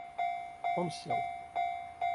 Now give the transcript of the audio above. Он сел.